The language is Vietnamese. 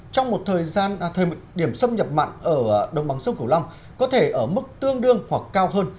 trong một thời điểm xâm nhập mặn ở đồng bằng sông cửu long có thể ở mức tương đương hoặc cao hơn